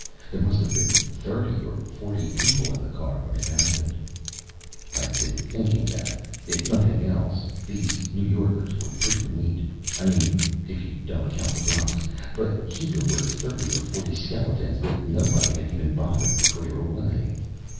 There must have been thirty or forty people in the car when it happened. I'd been thinking that, if nothing else, these New Yorkers were pretty neat I mean if you don't count the Bronx. But here were thirty or forty skeletons that nobody had even bothered to clear away.